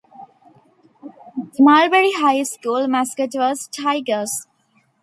The Mulberry High School mascot was Tigers.